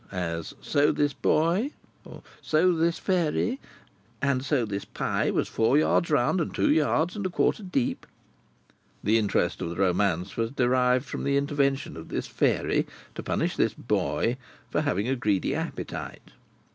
As, "So this boy;" or, "So this fairy;" or, "And so this pie was four yards round, and two yards and a quarter deep." The interest of the romance was derived from the intervention of this fairy to punish this boy for having a greedy appetite.